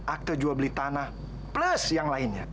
akte jual beli tanah plus yang lainnya